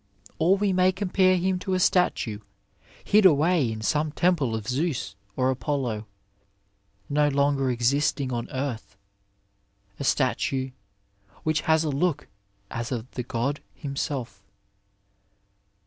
Or we may compare him to a statue hid away in some temple of Zeus or ApoUo, no longer existing on earth, a statue which has a look as of the God himself.